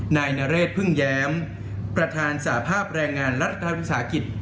นายนเรศพึ่งแย้มประธานสาภาพแรงงานรัฐธรรมศาสตร์อาคิด